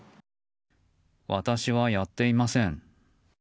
私はやっていません。